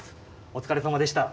お疲れさまでした。